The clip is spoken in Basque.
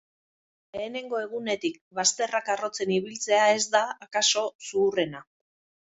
Lehenengo egunetik bazterrak harrotzen ibiltzea ez da, akaso, zuhurrena.